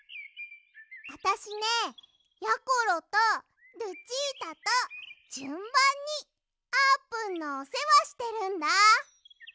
あたしねやころとルチータとじゅんばんにあーぷんのおせわしてるんだ。